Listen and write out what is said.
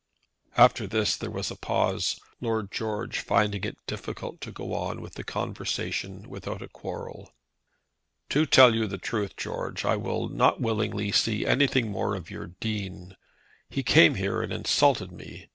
After this there was a pause, Lord George finding it difficult to go on with the conversation without a quarrel. "To tell you the truth, George, I will not willingly see anything more of your Dean. He came here and insulted me.